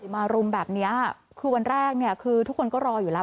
มารุมแบบนี้คือวันแรกเนี่ยคือทุกคนก็รออยู่แล้ว